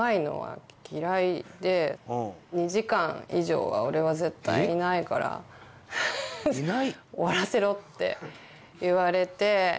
「２時間以上は俺は絶対いないから終わらせろ」って言われて。